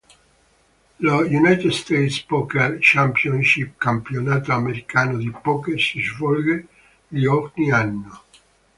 Lo United States Poker Championship, campionato americano di poker si svolge lì ogni anno.